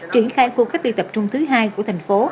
chuyển khai cuộc cách ly tập trung thứ hai của thành phố